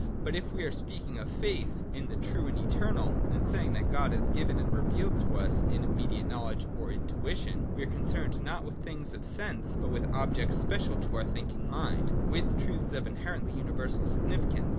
But if we are speaking of faith in the True and Eternal, and saying that God is given and revealed to us in immediate knowledge or intuition, we are concerned not with the things of sense, but with objects special to our thinking mind, with truths of inherently universal significance.